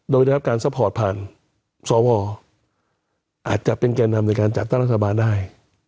โดยได้รับการซัพพอร์ตผ่านสวอาจจะเป็นแก่นำในการจัดตั้งรัฐบาลได้